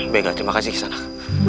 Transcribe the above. baiklah terima kasih kisah nak